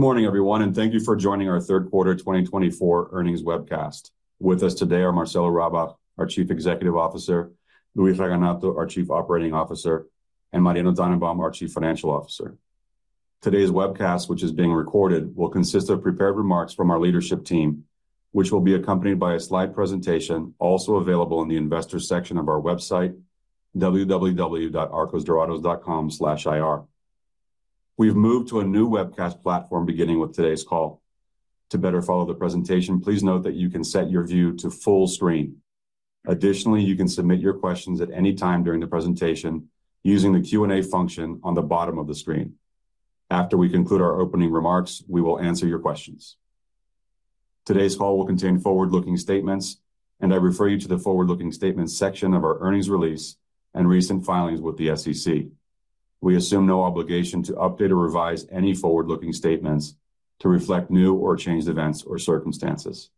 Good morning, everyone, and thank you for joining our Third Quarter 2024 earnings webcast. With us today are Marcelo Rabach, our Chief Executive Officer, Luis Raganato, our Chief Operating Officer, and Mariano Tannenbaum, our Chief Financial Officer. Today's webcast, which is being recorded, will consist of prepared remarks from our leadership team, which will be accompanied by a slide presentation also available in the Investor section of our website, www.arcosdorados.com/ir. We've moved to a new webcast platform beginning with today's call. To better follow the presentation, please note that you can set your view to full screen. Additionally, you can submit your questions at any time during the presentation using the Q&A function on the bottom of the screen. After we conclude our opening remarks, we will answer your questions. Today's call will contain forward-looking statements, and I refer you to the Forward-Looking Statements section of our earnings release and recent filings with the SEC. We assume no obligation to update or revise any forward-looking statements to reflect new or changed events or circumstances.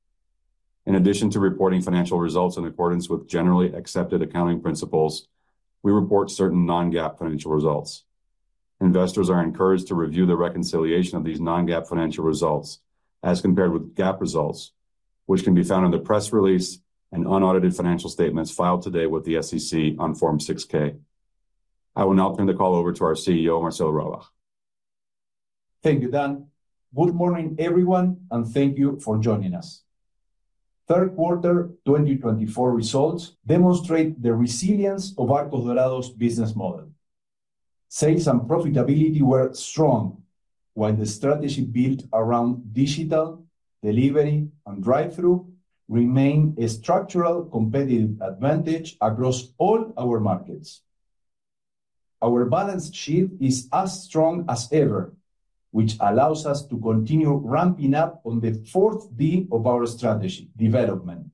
In addition to reporting financial results in accordance with generally accepted accounting principles, we report certain non-GAAP financial results. Investors are encouraged to review the reconciliation of these non-GAAP financial results as compared with GAAP results, which can be found in the press release and unaudited financial statements filed today with the SEC on Form 6-K. I will now turn the call over to our CEO, Marcelo Rabach. Thank you, Dan. Good morning, everyone, and thank you for joining us. Third Quarter 2024 results demonstrate the resilience of Arcos Dorados' business model. Sales and profitability were strong, while the strategy built around digital delivery and drive-through remained a structural competitive advantage across all our markets. Our balance sheet is as strong as ever, which allows us to continue ramping up on the fourth D of our strategy: development.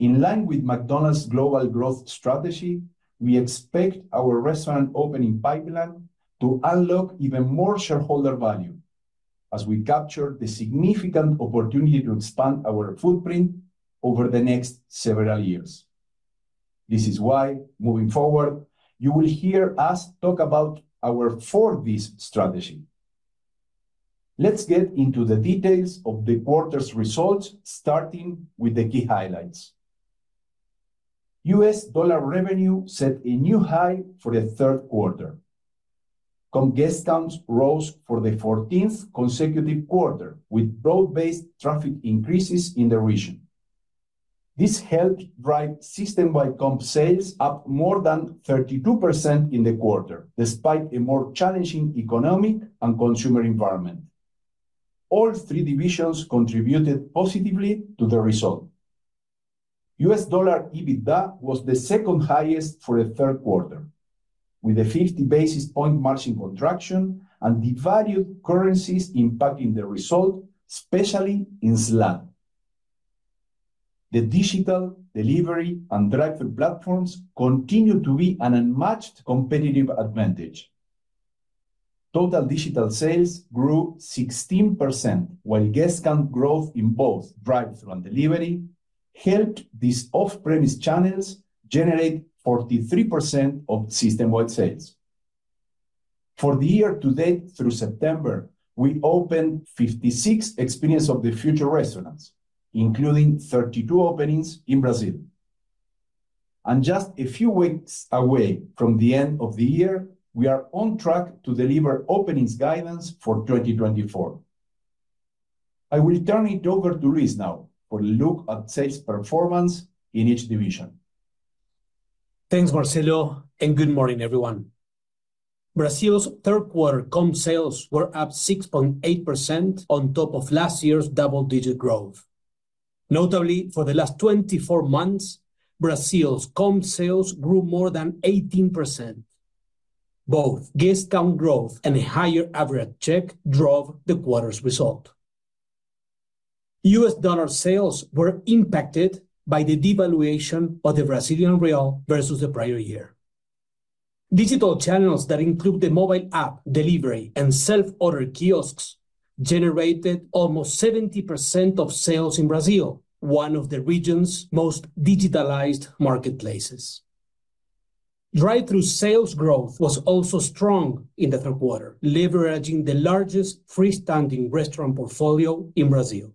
In line with McDonald's global growth strategy, we expect our restaurant opening pipeline to unlock even more shareholder value as we capture the significant opportunity to expand our footprint over the next several years. This is why, moving forward, you will hear us talk about our four D strategy. Let's get into the details of the quarter's results, starting with the key highlights. U.S. dollar revenue set a new high for the third quarter. Comparable guest counts rose for the 14th consecutive quarter, with broad-based traffic increases in the region. This helped drive system-wide comp sales up more than 32% in the quarter, despite a more challenging economic and consumer environment. All three divisions contributed positively to the result. U.S. dollar EBITDA was the second highest for the third quarter, with a 50 basis points margin contraction and devalued currencies impacting the result, especially in SLAD. The digital delivery and drive-through platforms continued to be an unmatched competitive advantage. Total digital sales grew 16%, while guest count growth in both drive-through and delivery helped these off-premise channels generate 43% of system-wide sales. For the year to date through September, we opened 56 Experience of the Future restaurants, including 32 openings in Brazil. Just a few weeks away from the end of the year, we are on track to deliver openings guidance for 2024. I will turn it over to Luis now for a look at sales performance in each division. Thanks, Marcelo, and good morning, everyone. Brazil's third-quarter comp sales were up 6.8% on top of last year's double-digit growth. Notably, for the last 24 months, Brazil's comp sales grew more than 18%. Both guest count growth and a higher average check drove the quarter's result. U.S. dollar sales were impacted by the devaluation of the Brazilian real versus the prior year. Digital channels that include the mobile app, delivery, and self-order kiosks generated almost 70% of sales in Brazil, one of the region's most digitalized marketplaces. Drive-through sales growth was also strong in the third quarter, leveraging the largest freestanding restaurant portfolio in Brazil.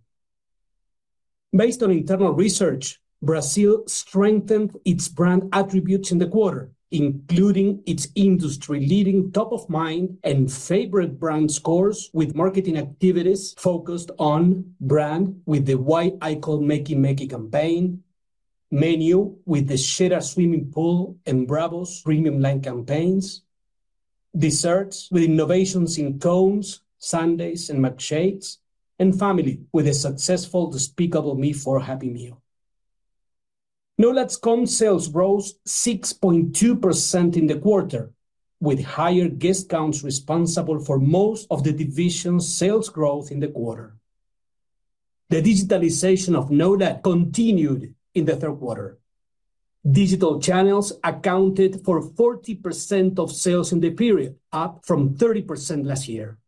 Based on internal research, Brazil strengthened its brand attributes in the quarter, including its industry-leading top-of-mind and favorite brand scores with marketing activities focused on brand with the Why I call Méqui, Méqui campaign, menu with the Cheddar Swimming Pool and Brabos premium line campaigns, desserts with innovations in cones, sundaes, and milkshakes, and family with a successful Despicable Me 4 Happy Meal. NOLAD's comp sales rose 6.2% in the quarter, with higher guest counts responsible for most of the division's sales growth in the quarter. The digitalization of NOLAD continued in the third quarter. Digital channels accounted for 40% of sales in the period, up from 30% last year.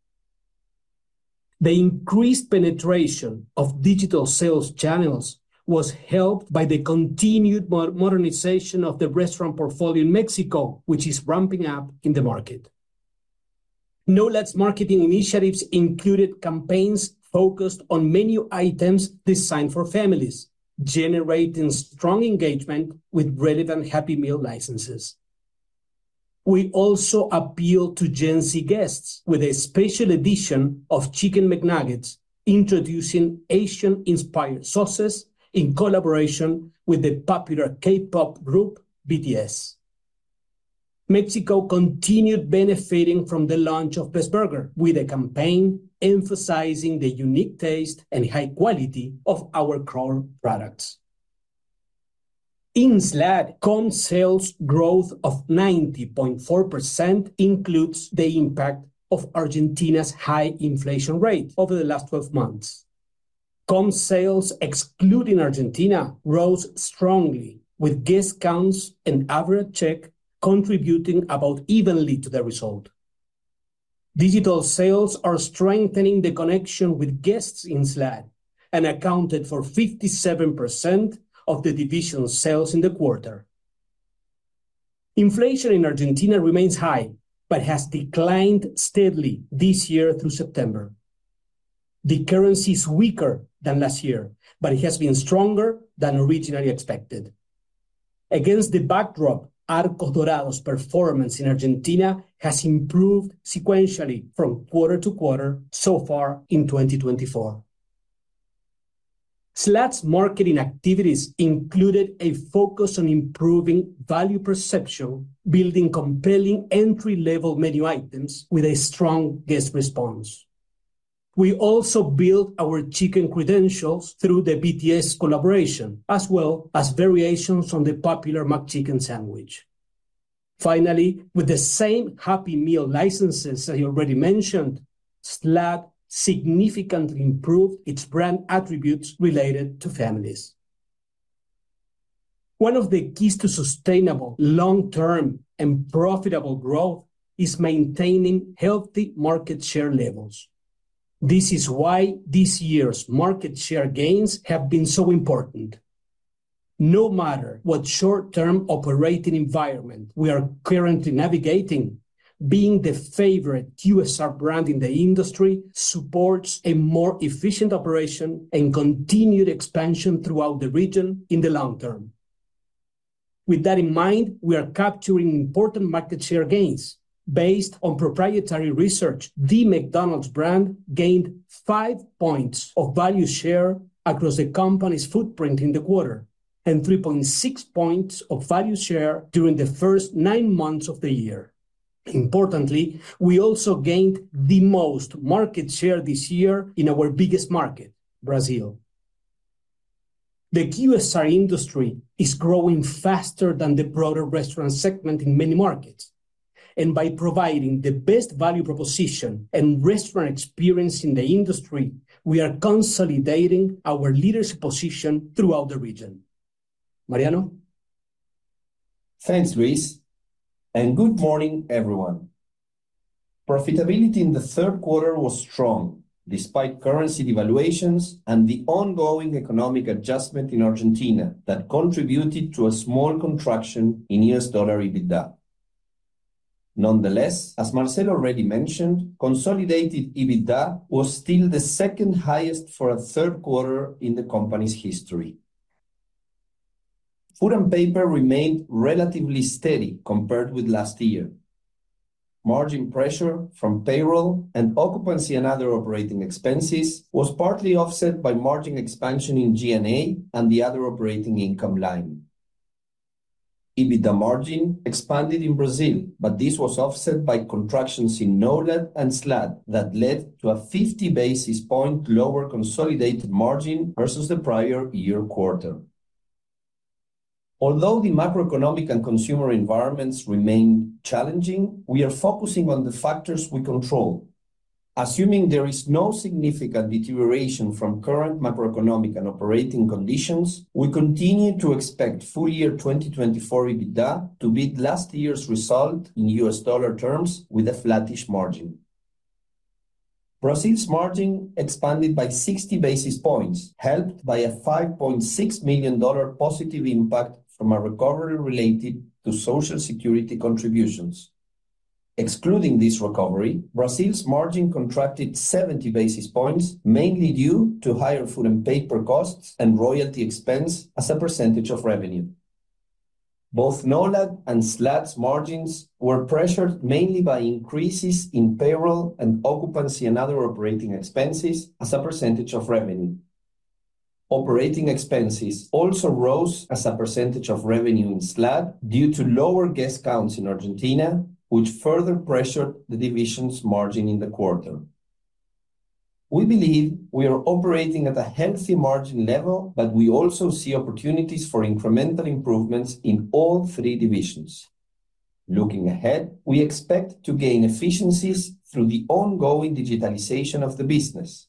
The increased penetration of digital sales channels was helped by the continued modernization of the restaurant portfolio in Mexico, which is ramping up in the market. NOLAD's marketing initiatives included campaigns focused on menu items designed for families, generating strong engagement with relevant Happy Meal licenses. We also appealed to Gen Z guests with a special edition of Chicken McNuggets, introducing Asian-inspired sauces in collaboration with the popular K-pop group BTS. Mexico continued benefiting from the launch of Best Burger, with a campaign emphasizing the unique taste and high quality of our core products. In SLAD, comp sales growth of 90.4% includes the impact of Argentina's high inflation rate over the last 12 months. Comp sales excluding Argentina rose strongly, with guest counts and average check contributing about evenly to the result. Digital sales are strengthening the connection with guests in SLAD and accounted for 57% of the division's sales in the quarter. Inflation in Argentina remains high but has declined steadily this year through September. The currency is weaker than last year, but it has been stronger than originally expected. Against the backdrop, Arcos Dorados' performance in Argentina has improved sequentially from quarter to quarter so far in 2024. SLAD's marketing activities included a focus on improving value perception, building compelling entry-level menu items with a strong guest response. We also built our chicken credentials through the BTS collaboration, as well as variations on the popular McChicken sandwich. Finally, with the same Happy Meal licenses I already mentioned, SLAD significantly improved its brand attributes related to families. One of the keys to sustainable, long-term, and profitable growth is maintaining healthy market share levels. This is why this year's market share gains have been so important. No matter what short-term operating environment we are currently navigating, being the favorite QSR brand in the industry supports a more efficient operation and continued expansion throughout the region in the long term. With that in mind, we are capturing important market share gains. Based on proprietary research, the McDonald's brand gained 5 points of value share across the company's footprint in the quarter and 3.6 points of value share during the first nine months of the year. Importantly, we also gained the most market share this year in our biggest market, Brazil. The QSR industry is growing faster than the broader restaurant segment in many markets, and by providing the best value proposition and restaurant experience in the industry, we are consolidating our leadership position throughout the region. Mariano? Thanks, Luis, and good morning, everyone. Profitability in the third quarter was strong despite currency devaluations and the ongoing economic adjustment in Argentina that contributed to a small contraction in U.S. dollar EBITDA. Nonetheless, as Marcelo already mentioned, consolidated EBITDA was still the second highest for a third quarter in the company's history. Food and paper remained relatively steady compared with last year. Margin pressure from payroll and occupancy and other operating expenses was partly offset by margin expansion in G&A and the other operating income line. EBITDA margin expanded in Brazil, but this was offset by contractions in NOLAD and SLAD that led to a 50 basis points lower consolidated margin versus the prior year quarter. Although the macroeconomic and consumer environments remain challenging, we are focusing on the factors we control. Assuming there is no significant deterioration from current macroeconomic and operating conditions, we continue to expect full year 2024 EBITDA to beat last year's result in U.S. dollar terms with a flattish margin. Brazil's margin expanded by 60 basis points, helped by a $5.6 million positive impact from a recovery related to Social Security contributions. Excluding this recovery, Brazil's margin contracted 70 basis points, mainly due to higher food and paper costs and royalty expense as a percentage of revenue. Both NOLAD and SLAD's margins were pressured mainly by increases in payroll and occupancy and other operating expenses as a percentage of revenue. Operating expenses also rose as a percentage of revenue in SLAD due to lower guest counts in Argentina, which further pressured the division's margin in the quarter. We believe we are operating at a healthy margin level, but we also see opportunities for incremental improvements in all three divisions. Looking ahead, we expect to gain efficiencies through the ongoing digitalization of the business.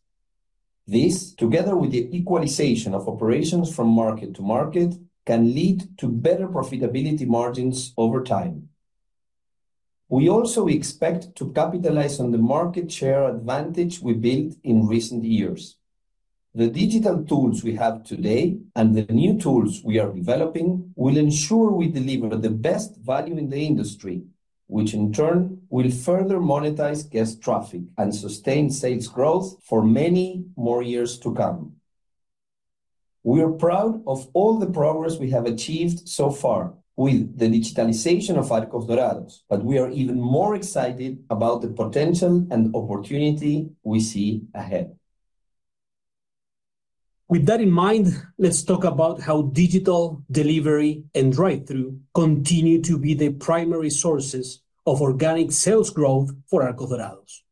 This, together with the equalization of operations from market to market, can lead to better profitability margins over time. We also expect to capitalize on the market share advantage we built in recent years. The digital tools we have today and the new tools we are developing will ensure we deliver the best value in the industry, which in turn will further monetize guest traffic and sustain sales growth for many more years to come. We are proud of all the progress we have achieved so far with the digitalization of Arcos Dorados, but we are even more excited about the potential and opportunity we see ahead. With that in mind, let's talk about how digital delivery and drive-through continue to be the primary sources of organic sales growth for Arcos Dorados.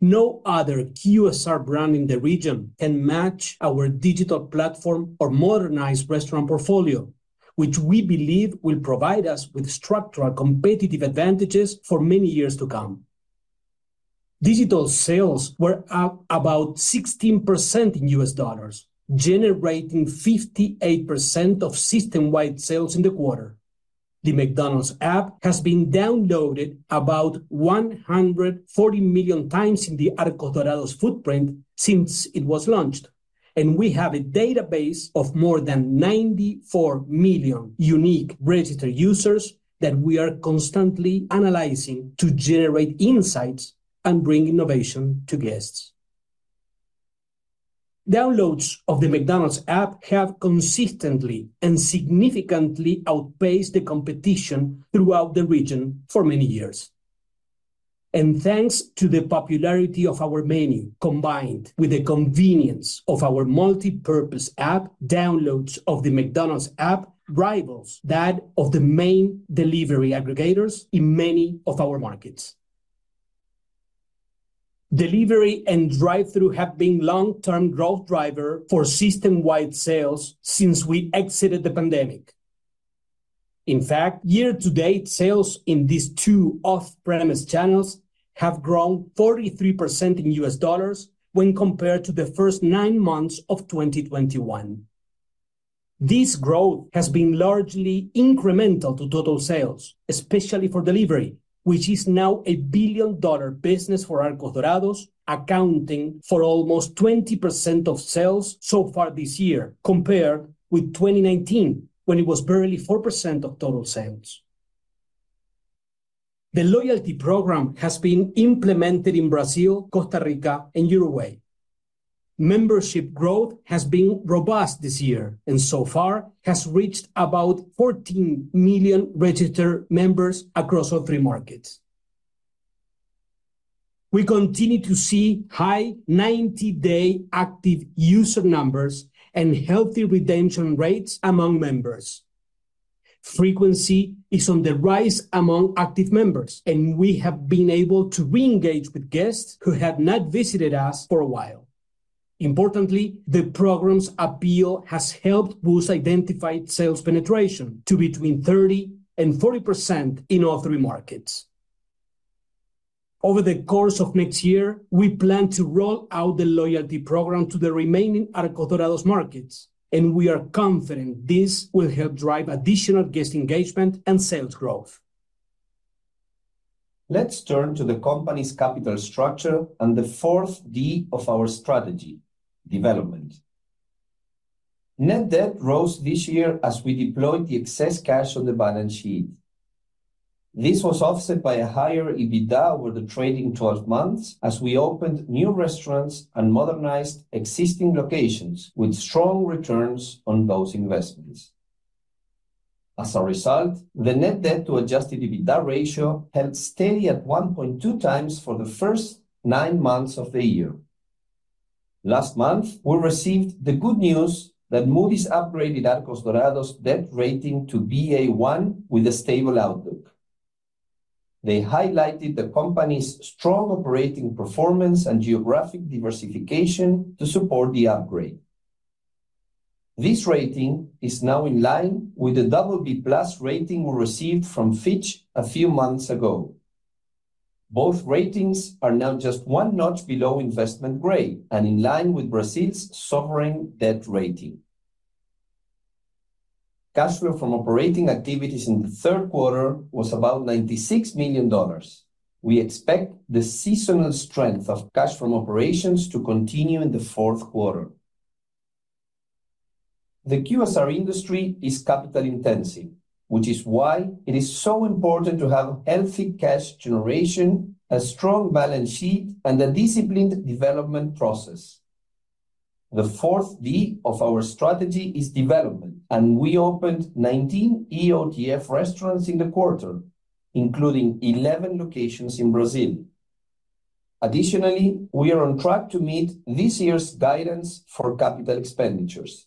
No other QSR brand in the region can match our digital platform or modernized restaurant portfolio, which we believe will provide us with structural competitive advantages for many years to come. Digital sales were up about 16% in U.S. dollars, generating 58% of system-wide sales in the quarter. The McDonald's app has been downloaded about 140 million times in the Arcos Dorados footprint since it was launched, and we have a database of more than 94 million unique registered users that we are constantly analyzing to generate insights and bring innovation to guests. Downloads of the McDonald's app have consistently and significantly outpaced the competition throughout the region for many years. Thanks to the popularity of our menu combined with the convenience of our multi-purpose app, downloads of the McDonald's app rivals that of the main delivery aggregators in many of our markets. Delivery and drive-through have been long-term growth drivers for system-wide sales since we exited the pandemic. In fact, year-to-date sales in these two off-premise channels have grown 43% in U.S. dollars when compared to the first nine months of 2021. This growth has been largely incremental to total sales, especially for delivery, which is now a billion-dollar business for Arcos Dorados, accounting for almost 20% of sales so far this year compared with 2019, when it was barely 4% of total sales. The loyalty program has been implemented in Brazil, Costa Rica, and Uruguay. Membership growth has been robust this year and so far has reached about 14 million registered members across all three markets. We continue to see high 90-day active user numbers and healthy redemption rates among members. Frequency is on the rise among active members, and we have been able to re-engage with guests who have not visited us for a while. Importantly, the program's appeal has helped boost identified sales penetration to between 30% and 40% in all three markets. Over the course of next year, we plan to roll out the loyalty program to the remaining Arcos Dorados markets, and we are confident this will help drive additional guest engagement and sales growth. Let's turn to the company's capital structure and the fourth D of our strategy, development. Net debt rose this year as we deployed the excess cash on the balance sheet. This was offset by a higher EBITDA over the trailing 12 months as we opened new restaurants and modernized existing locations, with strong returns on those investments. As a result, the net debt-to-adjusted EBITDA ratio held steady at 1.2 times for the first nine months of the year. Last month, we received the good news that Moody's upgraded Arcos Dorados' debt rating to BA1 with a stable outlook. They highlighted the company's strong operating performance and geographic diversification to support the upgrade. This rating is now in line with the BB Plus rating we received from Fitch a few months ago. Both ratings are now just one notch below investment grade and in line with Brazil's sovereign debt rating. Cash flow from operating activities in the third quarter was about $96 million. We expect the seasonal strength of cash from operations to continue in the fourth quarter. The QSR industry is capital-intensive, which is why it is so important to have healthy cash generation, a strong balance sheet, and a disciplined development process. The fourth D of our strategy is development, and we opened 19 EOTF restaurants in the quarter, including 11 locations in Brazil. Additionally, we are on track to meet this year's guidance for capital expenditures.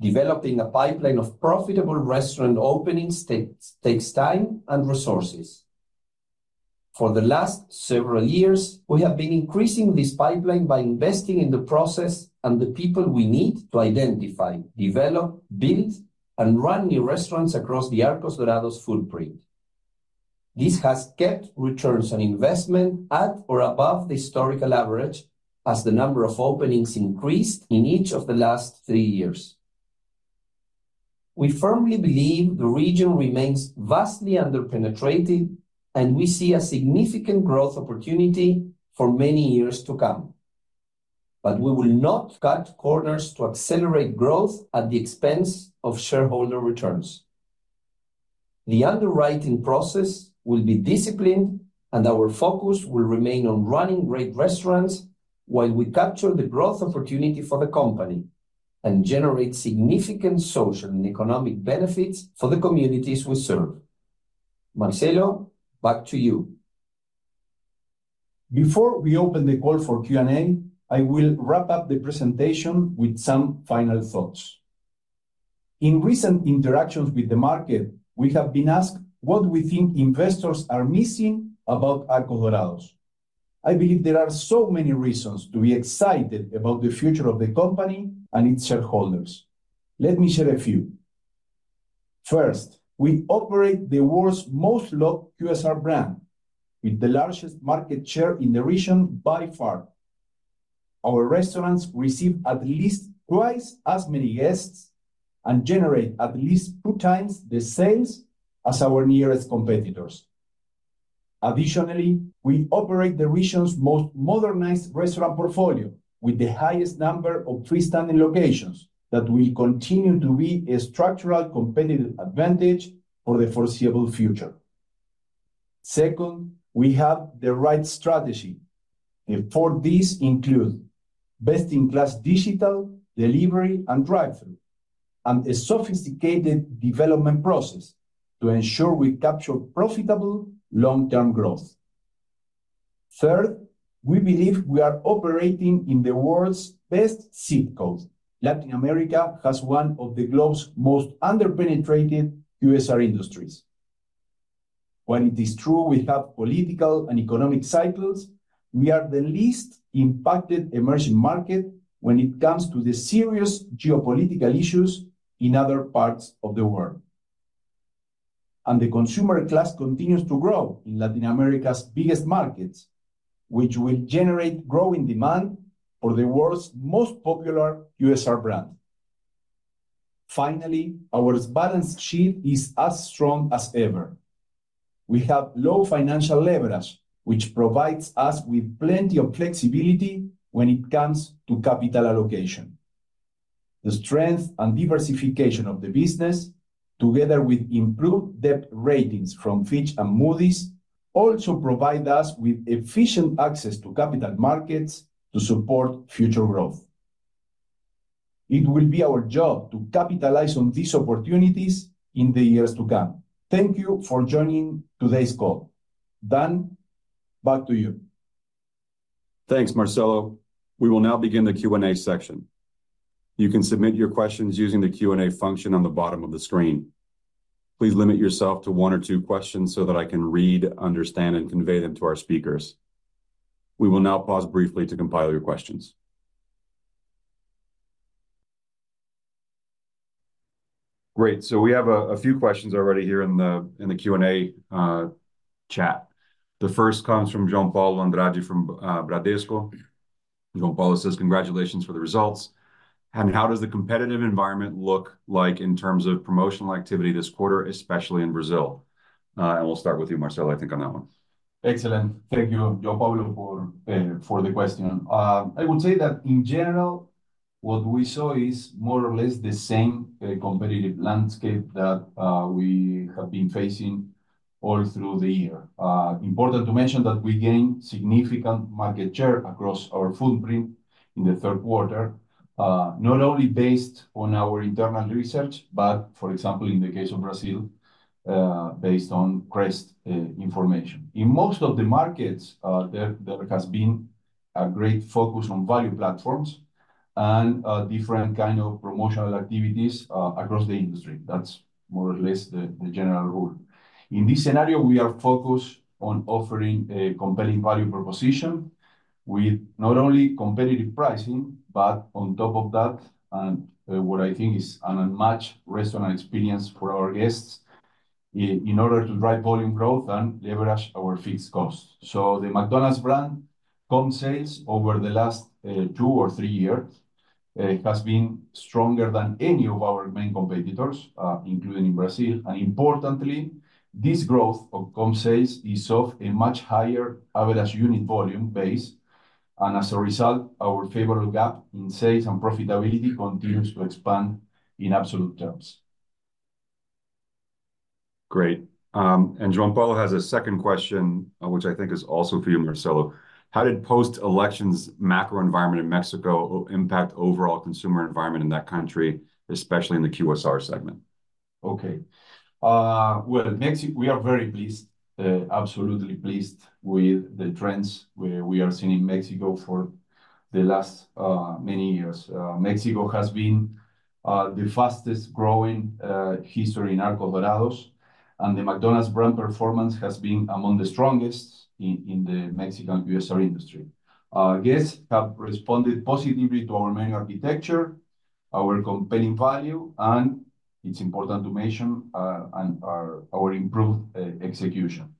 Developing a pipeline of profitable restaurant openings takes time and resources. For the last several years, we have been increasing this pipeline by investing in the process and the people we need to identify, develop, build, and run new restaurants across the Arcos Dorados footprint. This has kept returns on investment at or above the historical average as the number of openings increased in each of the last three years. We firmly believe the region remains vastly under-penetrated, and we see a significant growth opportunity for many years to come. But we will not cut corners to accelerate growth at the expense of shareholder returns. The underwriting process will be disciplined, and our focus will remain on running great restaurants while we capture the growth opportunity for the company and generate significant social and economic benefits for the communities we serve. Marcelo, back to you. Before we open the call for Q&A, I will wrap up the presentation with some final thoughts. In recent interactions with the market, we have been asked what we think investors are missing about Arcos Dorados. I believe there are so many reasons to be excited about the future of the company and its shareholders. Let me share a few. First, we operate the world's most loved QSR brand, with the largest market share in the region by far. Our restaurants receive at least twice as many guests and generate at least two times the sales as our nearest competitors. Additionally, we operate the region's most modernized restaurant portfolio, with the highest number of freestanding locations that will continue to be a structural competitive advantage for the foreseeable future. Second, we have the right strategy. The four Ds include best-in-class digital delivery and drive-through, and a sophisticated development process to ensure we capture profitable long-term growth. Third, we believe we are operating in the world's best sweet spot. Latin America has one of the globe's most under-penetrated QSR industries. While it is true we have political and economic cycles, we are the least impacted emerging market when it comes to the serious geopolitical issues in other parts of the world, and the consumer class continues to grow in Latin America's biggest markets, which will generate growing demand for the world's most popular QSR brand. Finally, our balance sheet is as strong as ever. We have low financial leverage, which provides us with plenty of flexibility when it comes to capital allocation. The strength and diversification of the business, together with improved debt ratings from Fitch and Moody's, also provide us with efficient access to capital markets to support future growth. It will be our job to capitalize on these opportunities in the years to come. Thank you for joining today's call. Dan, back to you. Thanks, Marcelo. We will now begin the Q&A section. You can submit your questions using the Q&A function on the bottom of the screen. Please limit yourself to one or two questions so that I can read, understand, and convey them to our speakers. We will now pause briefly to compile your questions. Great. So we have a few questions already here in the Q&A chat. The first comes from João Paulo Andrade from Bradesco. João Paulo says, "Congratulations for the results. And how does the competitive environment look like in terms of promotional activity this quarter, especially in Brazil?" And we'll start with you, Marcelo, I think, on that one. Excellent. Thank you, João Paulo, for the question. I would say that in general, what we saw is more or less the same competitive landscape that we have been facing all through the year. Important to mention that we gained significant market share across our footprint in the third quarter, not only based on our internal research, but, for example, in the case of Brazil, based on CREST information. In most of the markets, there has been a great focus on value platforms and different kinds of promotional activities across the industry. That's more or less the general rule. In this scenario, we are focused on offering a compelling value proposition with not only competitive pricing, but on top of that, and what I think is an unmatched restaurant experience for our guests, in order to drive volume growth and leverage our fixed costs. The McDonald's brand comp sales over the last two or three years has been stronger than any of our main competitors, including in Brazil. Importantly, this growth of comp sales is of a much higher average unit volume base. As a result, our favorable gap in sales and profitability continues to expand in absolute terms. Great, and João Paulo has a second question, which I think is also for you, Marcelo. How did post-elections macro environment in Mexico impact overall consumer environment in that country, especially in the QSR segment? Okay. We are very pleased, absolutely pleased with the trends we are seeing in Mexico for the last many years. Mexico has been the fastest-growing history in Arcos Dorados, and the McDonald's brand performance has been among the strongest in the Mexican QSR industry. Guests have responded positively to our menu architecture, our compelling value, and it's important to mention our improved execution.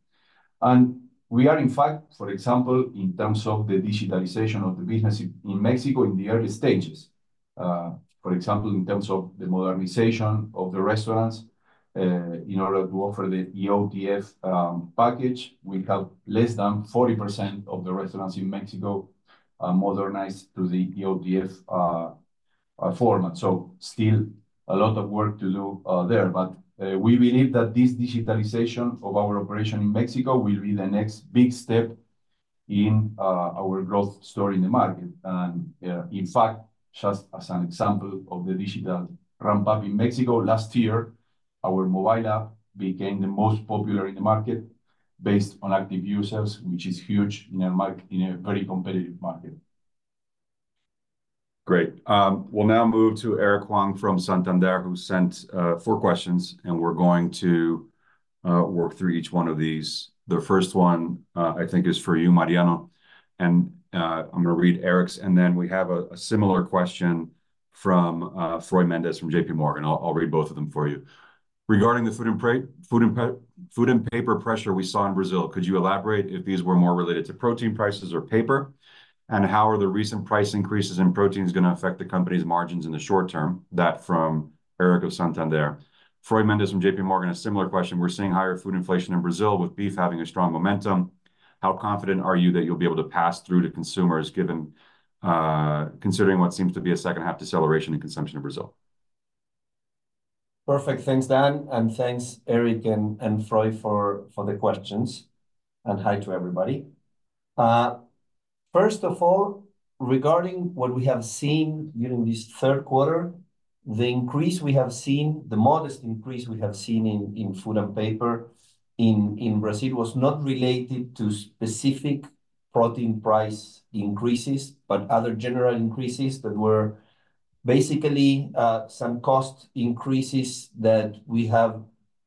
We are, in fact, for example, in terms of the digitalization of the business in Mexico in the early stages. For example, in terms of the modernization of the restaurants, in order to offer the EOTF package, we have less than 40% of the restaurants in Mexico modernized to the EOTF format. Still a lot of work to do there. We believe that this digitalization of our operation in Mexico will be the next big step in our growth story in the market. In fact, just as an example of the digital ramp-up in Mexico, last year, our mobile app became the most popular in the market based on active users, which is huge in a very competitive market. Great. We'll now move to Eric Huang from Santander, who sent four questions, and we're going to work through each one of these. The first one, I think, is for you, Mariano. And I'm going to read Eric's, and then we have a similar question from Froy Mendez from J.P. Morgan. I'll read both of them for you. Regarding the food and paper pressure we saw in Brazil, could you elaborate if these were more related to protein prices or paper? And how are the recent price increases in proteins going to affect the company's margins in the short term? That from Eric of Santander. Froy Mendez from J.P. Morgan, a similar question. We're seeing higher food inflation in Brazil, with beef having a strong momentum. How confident are you that you'll be able to pass through to consumers, considering what seems to be a second-half deceleration in consumption in Brazil? Perfect. Thanks, Dan, and thanks, Eric and Froy, for the questions, and hi to everybody. First of all, regarding what we have seen during this third quarter, the increase we have seen, the modest increase we have seen in food and paper in Brazil was not related to specific protein price increases, but other general increases that were basically some cost increases that we have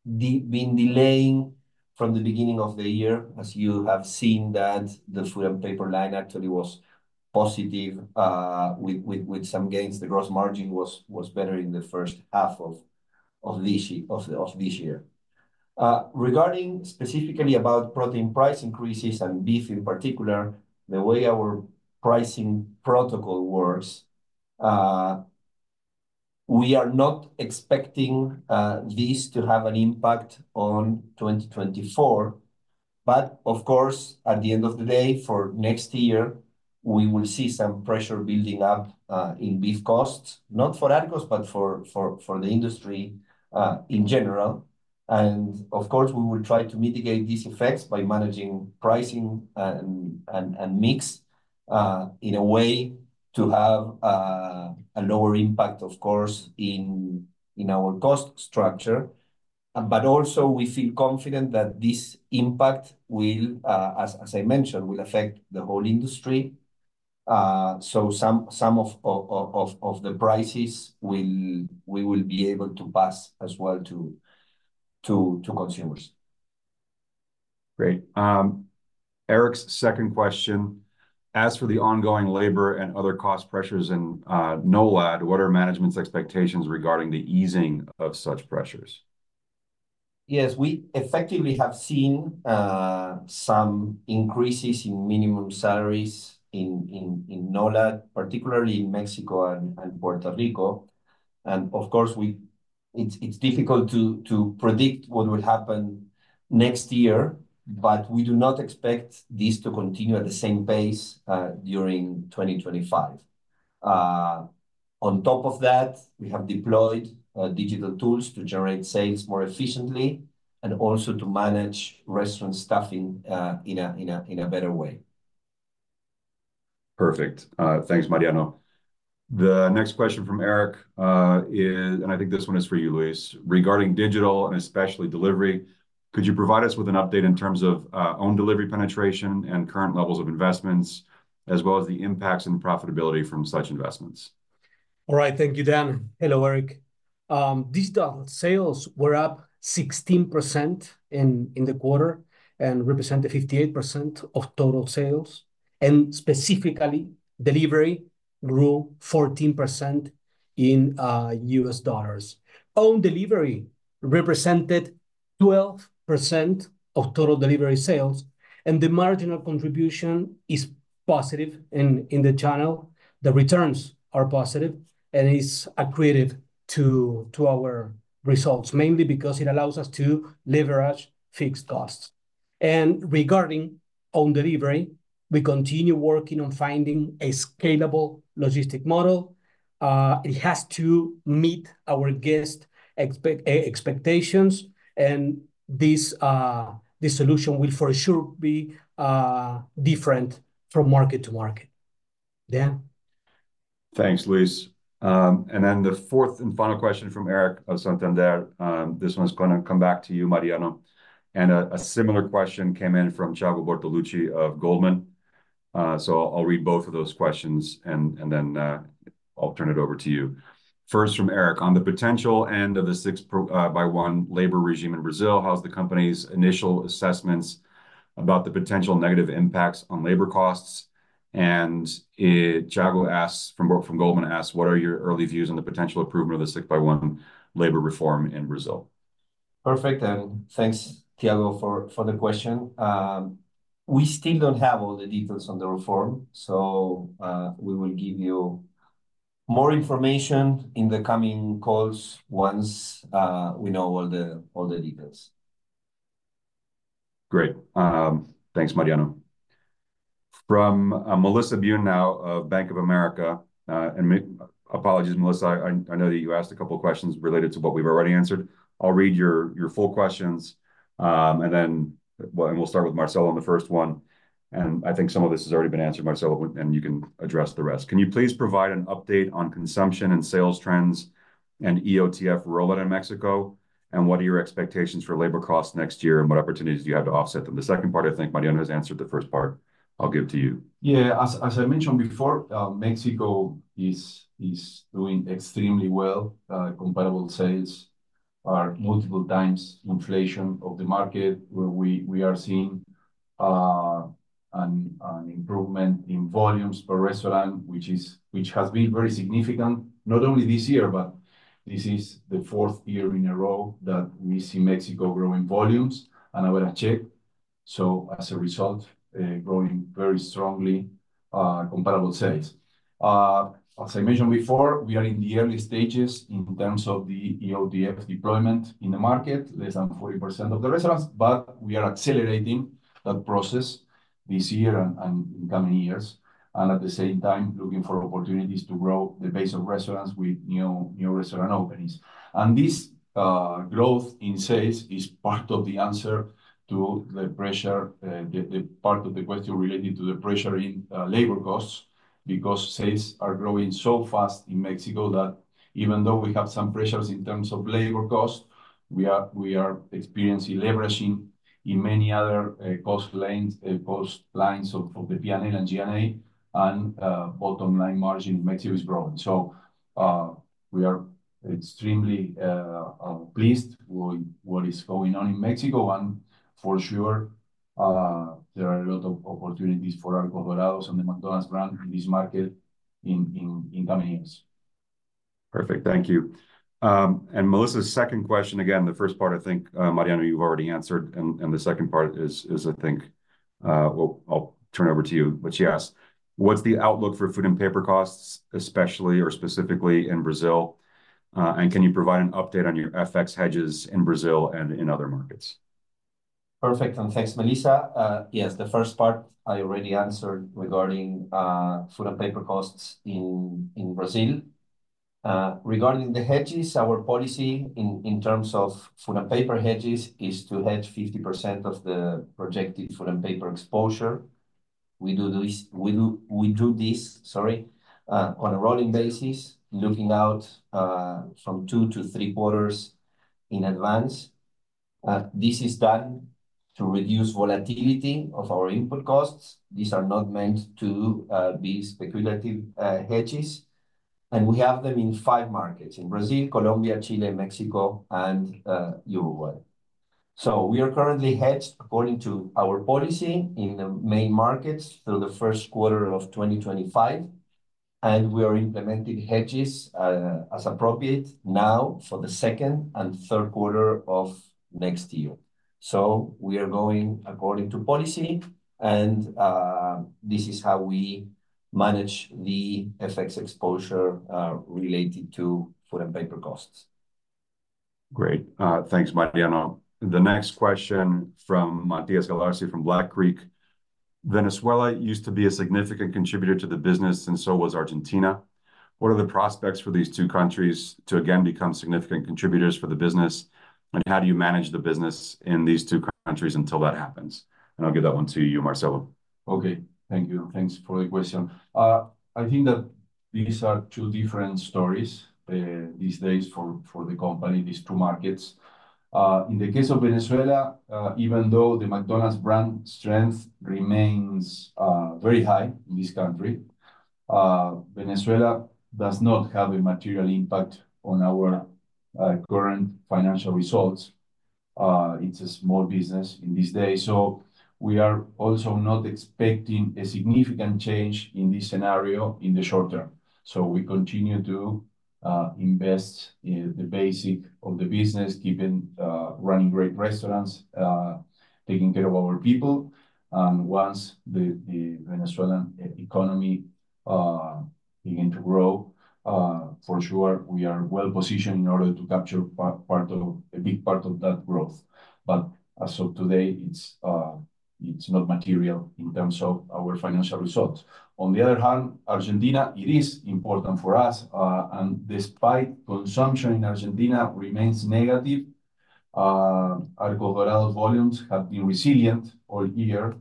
been delaying from the beginning of the year. As you have seen, the food and paper line actually was positive with some gains. The gross margin was better in the first half of this year. Regarding specifically about protein price increases and beef in particular, the way our pricing protocol works, we are not expecting this to have an impact on 2024. But of course, at the end of the day, for next year, we will see some pressure building up in beef costs, not for Arcos, but for the industry in general. And of course, we will try to mitigate these effects by managing pricing and mix in a way to have a lower impact, of course, in our cost structure. But also, we feel confident that this impact, as I mentioned, will affect the whole industry. So some of the prices we will be able to pass as well to consumers. Great. Eric's second question. As for the ongoing labor and other cost pressures in NOLAD, what are management's expectations regarding the easing of such pressures? Yes. We effectively have seen some increases in minimum salaries in NOLAD, particularly in Mexico and Puerto Rico, and of course, it's difficult to predict what will happen next year, but we do not expect this to continue at the same pace during 2025. On top of that, we have deployed digital tools to generate sales more efficiently and also to manage restaurant staffing in a better way. Perfect. Thanks, Mariano. The next question from Eric is, and I think this one is for you, Luis, regarding digital and especially delivery. Could you provide us with an update in terms of own delivery penetration and current levels of investments, as well as the impacts and profitability from such investments? All right. Thank you, Dan. Hello, Eric. Digital sales were up 16% in the quarter and represented 58% of total sales. And specifically, delivery grew 14% in U.S. dollars. Own delivery represented 12% of total delivery sales. And the marginal contribution is positive in the channel. The returns are positive, and it's attributed to our results, mainly because it allows us to leverage fixed costs. And regarding own delivery, we continue working on finding a scalable logistics model. It has to meet our guest expectations. And this solution will for sure be different from market to market. Dan. Thanks, Luis. And then the fourth and final question from Eric of Santander. This one is going to come back to you, Mariano. And a similar question came in from Thiago Bortolucci of Goldman. So I'll read both of those questions, and then I'll turn it over to you. First, from Eric, on the potential end of the 6x1 labor regime in Brazil, how's the company's initial assessments about the potential negative impacts on labor costs? And Thiago from Goldman asks, what are your early views on the potential improvement of the 6x1 labor reform in Brazil? Perfect, Dan. Thanks, Thiago, for the question. We still don't have all the details on the reform, so we will give you more information in the coming calls once we know all the details. Great. Thanks, Mariano. From Melissa Byun now of Bank of America. And apologies, Melissa. I know that you asked a couple of questions related to what we've already answered. I'll read your full questions, and then we'll start with Marcelo on the first one. And I think some of this has already been answered, Marcelo, and you can address the rest. Can you please provide an update on consumption and sales trends and EOTF rollout in Mexico? And what are your expectations for labor costs next year, and what opportunities do you have to offset them? The second part, I think Mariano has answered the first part. I'll give it to you. Yeah. As I mentioned before, Mexico is doing extremely well. Comparable sales are multiple times inflation of the market, where we are seeing an improvement in volumes per restaurant, which has been very significant, not only this year, but this is the fourth year in a row that we see Mexico growing volumes and average check. So as a result, growing very strongly comparable sales. As I mentioned before, we are in the early stages in terms of the EOTF deployment in the market, less than 40% of the restaurants, but we are accelerating that process this year and in coming years, and at the same time, looking for opportunities to grow the base of restaurants with new restaurant openings. This growth in sales is part of the answer to the pressure, the part of the question related to the pressure in labor costs, because sales are growing so fast in Mexico that even though we have some pressures in terms of labor costs, we are experiencing leveraging in many other cost lines of the P&L and G&A, and bottom line margin in Mexico is growing. We are extremely pleased with what is going on in Mexico. For sure, there are a lot of opportunities for Arcos Dorados and the McDonald's brand in this market in coming years. Perfect. Thank you. And Melissa's second question, again, the first part, I think, Mariano, you've already answered. And the second part is, I think, I'll turn it over to you, but she asks, what's the outlook for food and paper costs, especially or specifically in Brazil? And can you provide an update on your FX hedges in Brazil and in other markets? Perfect. And thanks, Melissa. Yes, the first part I already answered regarding food and paper costs in Brazil. Regarding the hedges, our policy in terms of food and paper hedges is to hedge 50% of the projected food and paper exposure. We do this, sorry, on a rolling basis, looking out from two to three quarters in advance. This is done to reduce volatility of our input costs. These are not meant to be speculative hedges. And we have them in five markets: in Brazil, Colombia, Chile, Mexico, and Uruguay. So we are currently hedged, according to our policy, in the main markets through the first quarter of 2025. And we are implementing hedges as appropriate now for the second and third quarter of next year. So we are going according to policy, and this is how we manage the FX exposure related to food and paper costs. Great. Thanks, Mariano. The next question from Matías Galassi from Black Creek. Venezuela used to be a significant contributor to the business, and so was Argentina. What are the prospects for these two countries to again become significant contributors for the business? And how do you manage the business in these two countries until that happens? And I'll give that one to you, Marcelo. Okay. Thank you. Thanks for the question. I think that these are two different stories these days for the company, these two markets. In the case of Venezuela, even though the McDonald's brand strength remains very high in this country, Venezuela does not have a material impact on our current financial results. It's a small business in these days. So we are also not expecting a significant change in this scenario in the short term. So we continue to invest in the basic of the business, keeping running great restaurants, taking care of our people. And once the Venezuelan economy begins to grow, for sure, we are well positioned in order to capture a big part of that growth. But as of today, it's not material in terms of our financial results. On the other hand, Argentina, it is important for us. And despite consumption in Argentina remains negative, Arcos Dorados volumes have been resilient all year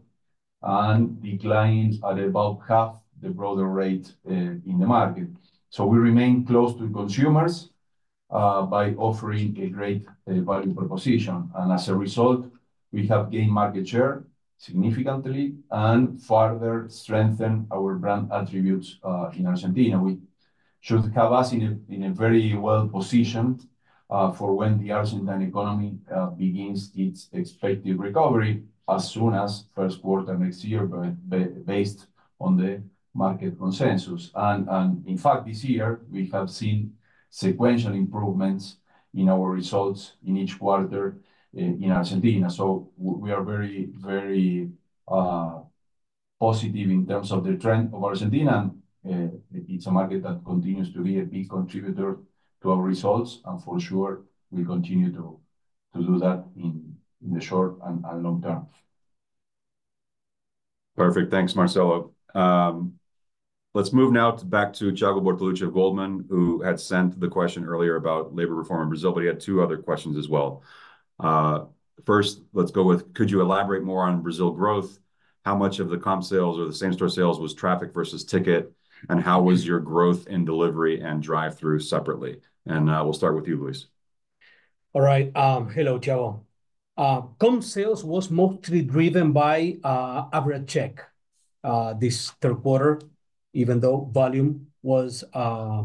and declined at about half the broader rate in the market. So we remain close to consumers by offering a great value proposition. And as a result, we have gained market share significantly and further strengthened our brand attributes in Argentina. We should have us in a very well-positioned for when the Argentine economy begins its expected recovery as soon as first quarter next year, based on the market consensus. And in fact, this year, we have seen sequential improvements in our results in Argentina. So we are very, very positive in terms of the trend of Argentina. And it is a market that continues to be a big contributor to our results. And for sure, we will continue to do that in the short and long term. Perfect. Thanks, Marcelo. Let's move now back to Thiago Bortolucci of Goldman, who had sent the question earlier about labor reform in Brazil, but he had two other questions as well. First, let's go with, could you elaborate more on Brazil growth? How much of the comp sales or the same-store sales was traffic versus ticket? And how was your growth in delivery and drive-through separately? And we'll start with you, Luis. All right. Hello, Thiago. Comp sales was mostly driven by average check this third quarter, even though volume was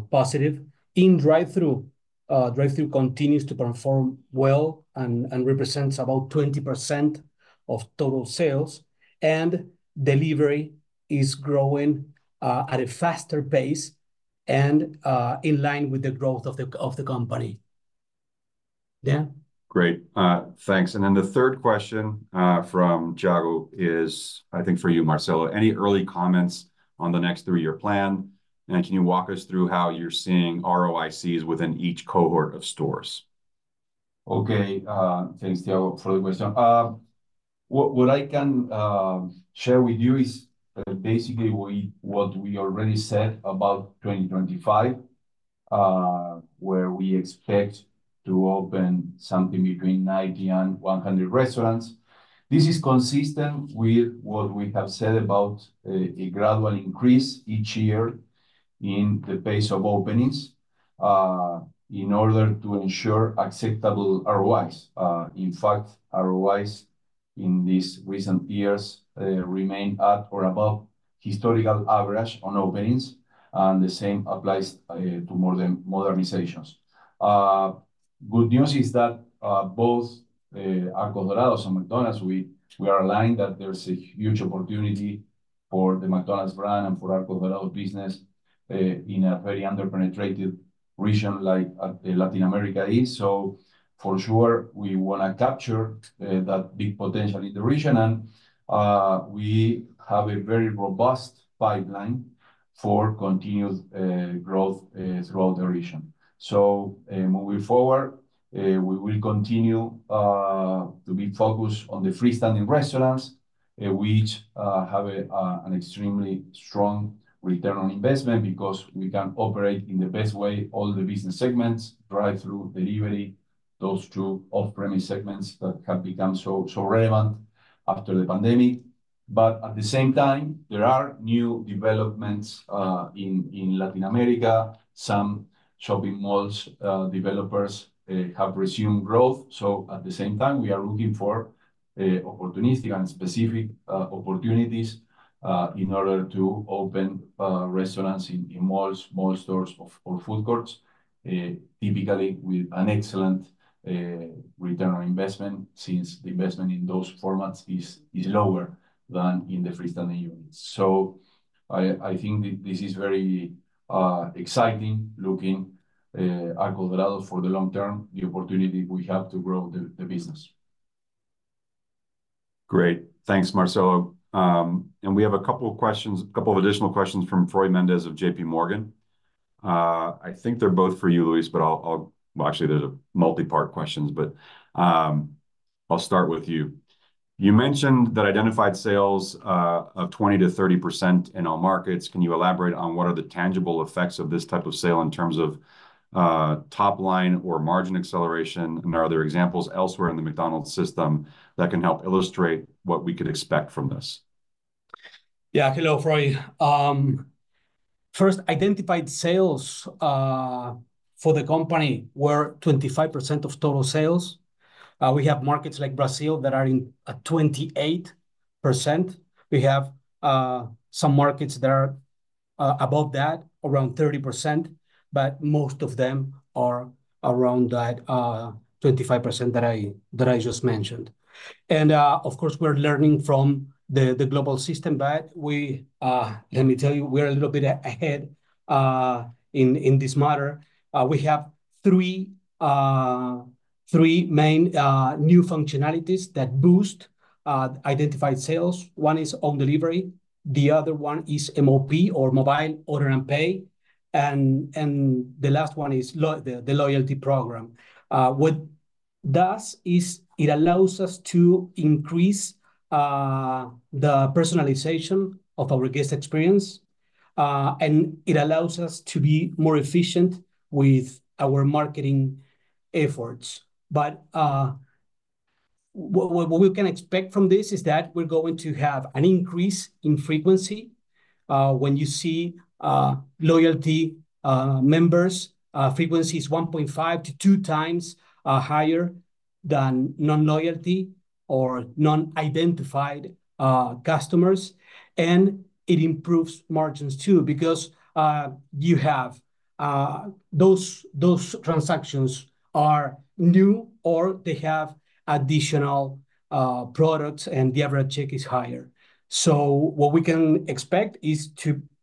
positive. In drive-through, drive-through continues to perform well and represents about 20% of total sales. And delivery is growing at a faster pace and in line with the growth of the company. Yeah. Great. Thanks. And then the third question from Thiago is, I think for you, Marcelo, any early comments on the next three-year plan? And can you walk us through how you're seeing ROICs within each cohort of stores? Okay. Thanks, Thiago, for the question. What I can share with you is basically what we already said about 2025, where we expect to open something between 90 and 100 restaurants. This is consistent with what we have said about a gradual increase each year in the pace of openings in order to ensure acceptable ROIs. In fact, ROIs in these recent years remain at or above historical average on openings. And the same applies to modernizations. Good news is that both Arcos Dorados and McDonald's, we are aligned that there's a huge opportunity for the McDonald's brand and for Arcos Dorados business in a very underpenetrated region like Latin America is. So for sure, we want to capture that big potential in the region. And we have a very robust pipeline for continued growth throughout the region. So moving forward, we will continue to be focused on the freestanding restaurants, which have an extremely strong return on investment because we can operate in the best way all the business segments, drive-through, delivery, those two off-premise segments that have become so relevant after the pandemic. But at the same time, there are new developments in Latin America. Some shopping malls developers have resumed growth. So at the same time, we are looking for opportunistic and specific opportunities in order to open restaurants in malls, mall stores, or food courts, typically with an excellent return on investment since the investment in those formats is lower than in the freestanding units. So I think this is very exciting looking at Arcos Dorados for the long term, the opportunity we have to grow the business. Great. Thanks, Marcelo. And we have a couple of questions, a couple of additional questions from Froylan "Froy" Mendez of J.P. Morgan. I think they're both for you, Luis, but I'll actually, there's a multi-part question, but I'll start with you. You mentioned that identified sales of 20%-30% in all markets. Can you elaborate on what are the tangible effects of this type of sale in terms of top line or margin acceleration? And are there examples elsewhere in the McDonald's system that can help illustrate what we could expect from this? Yeah. Hello, Froy. First, identified sales for the company were 25% of total sales. We have markets like Brazil that are in at 28%. We have some markets that are above that, around 30%, but most of them are around that 25% that I just mentioned. Of course, we're learning from the global system, but let me tell you, we are a little bit ahead in this matter. We have three main new functionalities that boost identified sales. One is on delivery. The other one is MOP or mobile order and pay. The last one is the loyalty program. What it does is it allows us to increase the personalization of our guest experience. It allows us to be more efficient with our marketing efforts. What we can expect from this is that we're going to have an increase in frequency. When you see loyalty members, frequency is 1.5-2 times higher than non-loyalty or non-identified customers, and it improves margins too because you have those transactions are new or they have additional products and the average check is higher, so what we can expect is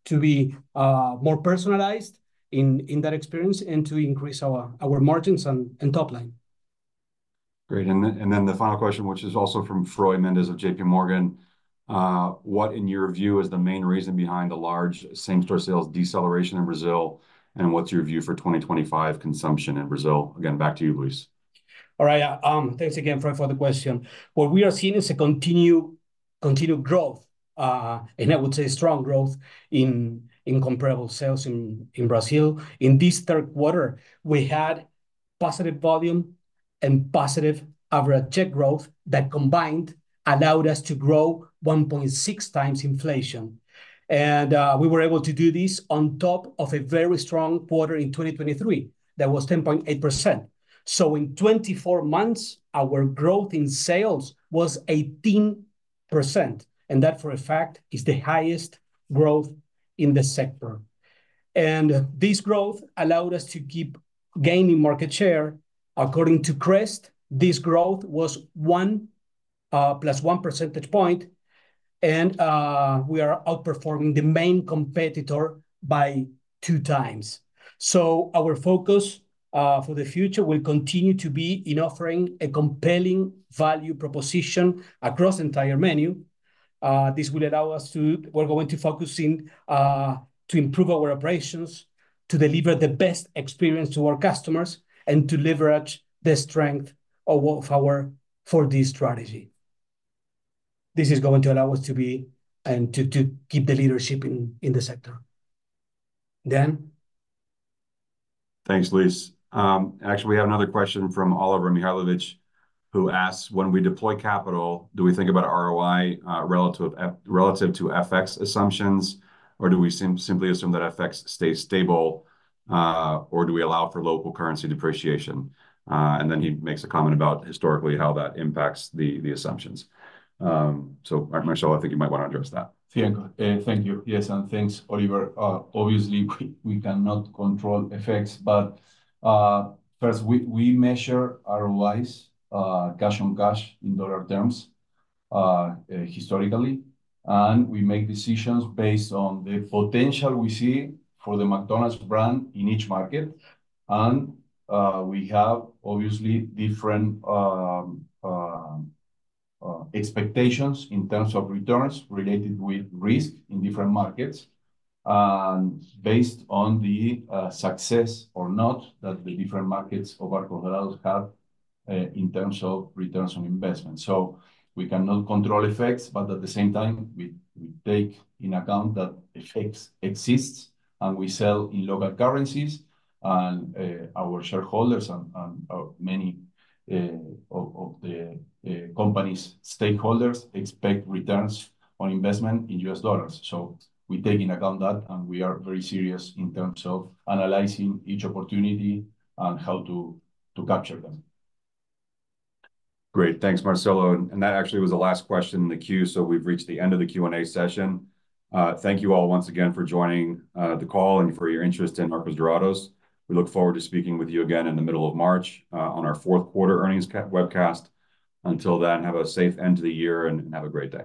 to be more personalized in that experience and to increase our margins and top line. Great. And then the final question, which is also from Froy Mendez of J.P. Morgan. What, in your view, is the main reason behind the large same-store sales deceleration in Brazil? And what's your view for 2025 consumption in Brazil? Again, back to you, Luis. All right. Thanks again, Froy, for the question. What we are seeing is a continued growth, and I would say strong growth in comparable sales in Brazil. In this third quarter, we had positive volume and positive average check growth that combined allowed us to grow 1.6 times inflation. And we were able to do this on top of a very strong quarter in 2023 that was 10.8%. So in 24 months, our growth in sales was 18%. And that, for a fact, is the highest growth in the sector. And this growth allowed us to keep gaining market share. According to CREST, this growth was plus one percentage point. And we are outperforming the main competitor by two times. So our focus for the future will continue to be in offering a compelling value proposition across the entire menu. This will allow us to. We're going to focus in to improve our operations, to deliver the best experience to our customers, and to leverage the strength of our 4D strategy. This is going to allow us to be and to keep the leadership in the sector. Thanks, Luis. Actually, we have another question from Oliver Mihaljevic, who asks, when we deploy capital, do we think about ROI relative to FX assumptions, or do we simply assume that FX stays stable, or do we allow for local currency depreciation? And then he makes a comment about historically how that impacts the assumptions. So, Marcelo, I think you might want to address that. Yeah. Thank you. Yes. And thanks, Oliver. Obviously, we cannot control FX, but first, we measure ROIs, cash on cash in dollar terms historically. And we make decisions based on the potential we see for the McDonald's brand in each market. And we have obviously different expectations in terms of returns related with risk in different markets based on the success or not that the different markets of Arcos Dorados have in terms of returns on investment. So we cannot control FX, but at the same time, we take into account that FX exists and we sell in local currencies. And our shareholders and many of the company's stakeholders expect returns on investment in U.S. dollars. So we take into account that, and we are very serious in terms of analyzing each opportunity and how to capture them. Great. Thanks, Marcelo. And that actually was the last question in the queue, so we've reached the end of the Q&A session. Thank you all once again for joining the call and for your interest in Arcos Dorados. We look forward to speaking with you again in the middle of March on our fourth quarter earnings webcast. Until then, have a safe end to the year and have a great day.